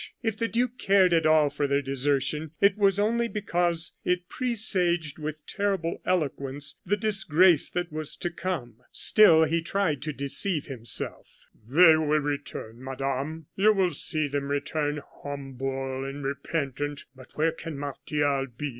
If the duke cared at all for their desertion, it was only because it presaged with terrible eloquence the disgrace that was to come. Still he tried to deceive himself. "They will return, Madame; you will see them return, humble and repentant! But where can Martial be?"